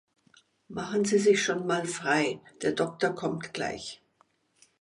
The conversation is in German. Machen Sie sich schonmal frei, der Doktor kommt gleich.